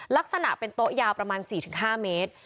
ลักษณะเป็นโต๊ะยาวประมาณ๔๕เมตร